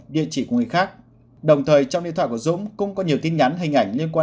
địa chỉ của người khác đồng thời trong điện thoại của dũng cũng có nhiều tin nhắn hình ảnh liên quan